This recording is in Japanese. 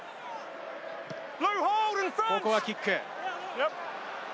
ここはキック。